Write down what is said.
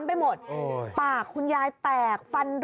อ่านด้วยยนะคะ